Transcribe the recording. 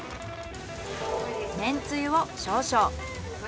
めんつゆを少々。